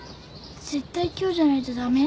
絶対今日じゃないとダメ？